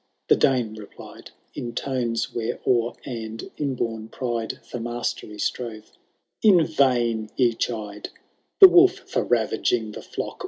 — ^The Dane replied In tones where awe and inborn pride For maeteij BtroTe^— *^ In vain ye chide The wolf for ravaging the flock.